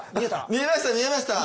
見えました見えました。